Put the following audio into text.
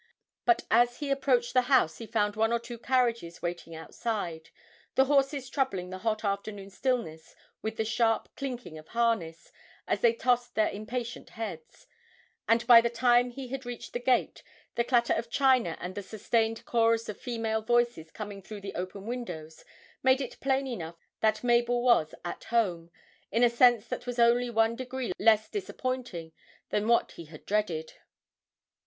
But as he approached the house he found one or two carriages waiting outside, the horses troubling the hot afternoon stillness with the sharp clinking of harness as they tossed their impatient heads; and by the time he had reached the gate the clatter of china and the sustained chorus of female voices coming through the open windows made it plain enough that Mabel was 'at home,' in a sense that was only one degree less disappointing than what he had dreaded.